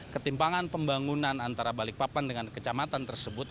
ketimpangan pembangunan antara balikpapan dengan kecamatan tersebut